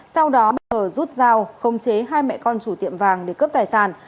sau đó bắt đầu rút dao không chế hai mẹ con chủ tiệm vàng để cướp tài sản